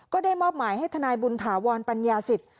ก็ได้มอบหมายให้ทนายบุญถาวรปัญญาสิทธิ